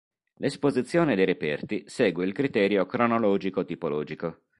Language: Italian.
L'esposizione dei reperti segue il criterio cronologico-tipologico.